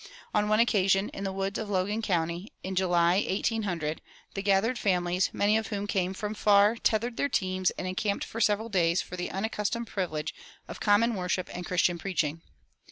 On one occasion, in the woods of Logan County, in July, 1800, the gathered families, many of whom came from far, tethered their teams and encamped for several days for the unaccustomed privilege of common worship and Christian preaching.